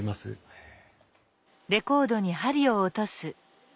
へえ。